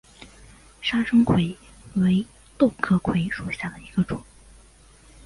砂生槐为豆科槐属下的一个种。